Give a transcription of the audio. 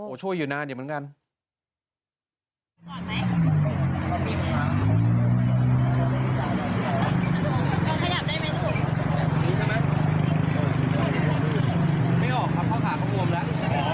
โอ้ช่วยอยู่นานเดี๋ยวเหมือนกัน